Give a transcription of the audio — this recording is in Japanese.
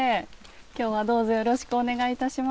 今日はどうぞよろしくお願いいたします。